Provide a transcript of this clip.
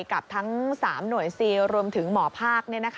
กับทั้ง๓หน่วยซีลรวมถึงหมอภาค